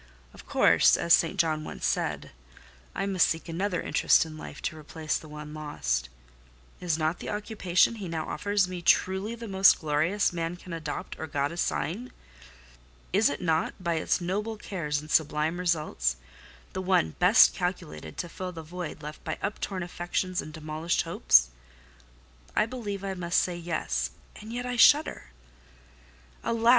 Of course (as St. John once said) I must seek another interest in life to replace the one lost: is not the occupation he now offers me truly the most glorious man can adopt or God assign? Is it not, by its noble cares and sublime results, the one best calculated to fill the void left by uptorn affections and demolished hopes? I believe I must say, Yes—and yet I shudder. Alas!